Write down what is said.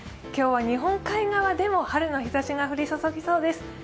今日は日本海側でも春の日ざしが降り注ぎそうです。